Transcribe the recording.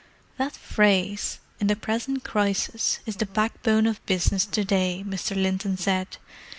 "That phrase, 'in the present crisis,' is the backbone of business to day," Mr. Linton said.